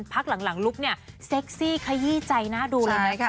พักหลังลุคเนี่ยเซ็กซี่ขยี้ใจหน้าดูเลยนะคะ